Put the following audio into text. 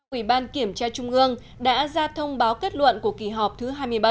ủy ban kiểm tra trung ương đã ra thông báo kết luận của kỳ họp thứ hai mươi bảy